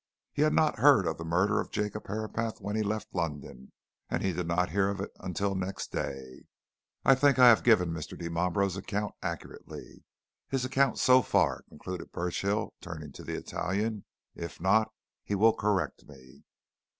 He had not heard of the murder of Jacob Herapath when he left London, and he did not hear of it until next day. I think I have given Mr. Dimambro's account accurately his account so far," concluded Burchill, turning to the Italian. "If not, he will correct me."